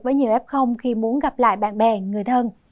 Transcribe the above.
với nhiều f khi muốn gặp lại bạn bè người thân